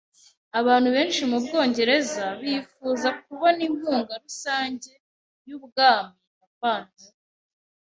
Abantu benshi mu Bwongereza bifuza kubona inkunga rusange y’ubwami yavanyweho